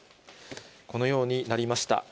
このようになりました。